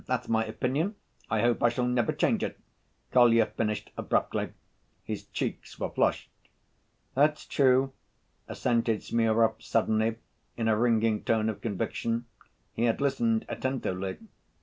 That's my opinion, I hope I shall never change it," Kolya finished abruptly. His cheeks were flushed. "That's true," assented Smurov suddenly, in a ringing tone of conviction. He had listened attentively.